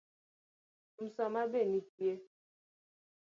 Musoma be nitie?